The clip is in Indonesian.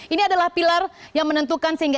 ini adalah pilar yang menentukan